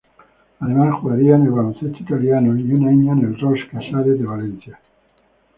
Además jugaría en el baloncesto italiano y un año en el Ros Casares Valencia.